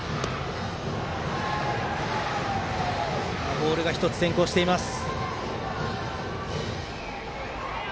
ボールが１つ先行しています。